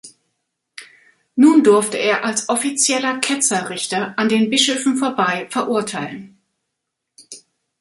Nun durfte er als offizieller Ketzer-Richter an den Bischöfen vorbei verurteilen.